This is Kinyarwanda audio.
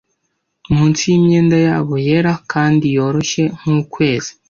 munsi yimyenda yabo yera kandi yoroshye nkukwezi